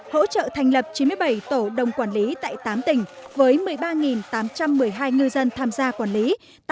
hỗ trợ thành lập chín mươi bảy tổ đồng quản lý tại tám tỉnh với một mươi ba tám trăm một mươi hai ngư dân tham gia quản lý